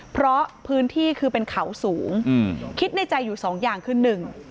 เพราะพื้นที่คือเป็นเขาสูงอืมคิดในใจอยู่สองอย่างคือหนึ่ง